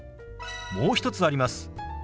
もう一つあります。